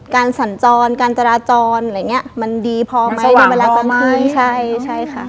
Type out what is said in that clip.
การสั่นจรการจราจรมันดีพอไหมในเวลากลางคืน